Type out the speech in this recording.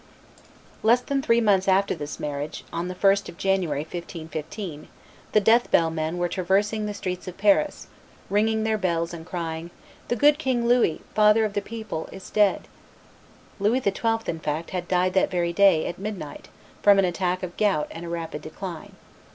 Less than three months after this marriage, on the 1st of January, 1515, "the death bell men were traversing the streets of Paris, ringing their bells and crying, 'The good King Louis, father of the people, is dead.'" Louis XII., in fact, had died that very day, at midnight, from an attack of gout and a rapid decline.